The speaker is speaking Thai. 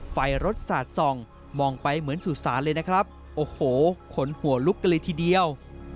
ไฟรถสาดส่องมองไปเหมือนสุสานเลยนะครับโอ้โหขนหัวลุกกันเลยทีเดียว